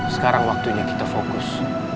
sekarang waktunya kita fokus